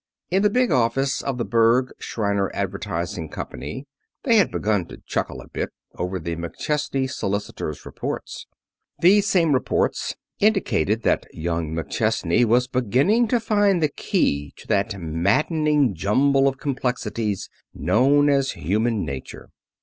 In the big office of the Berg, Shriner Advertising Company they had begun to chuckle a bit over the McChesney solicitor's reports. Those same reports indicated that young McChesney was beginning to find the key to that maddening jumble of complexities known as human nature.